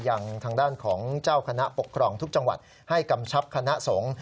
ทางด้านของเจ้าคณะปกครองทุกจังหวัดให้กำชับคณะสงฆ์